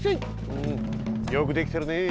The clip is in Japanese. うんよくできてるね。